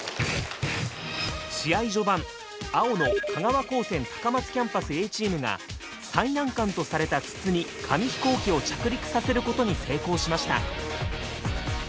試合序盤青の香川高専高松キャンパスＡチームが最難関とされた筒に紙飛行機を着陸させることに成功しました。